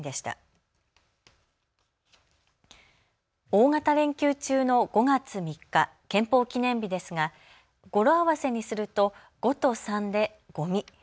大型連休中の５月３日、憲法記念日ですが語呂合わせにすると５と３でごみ。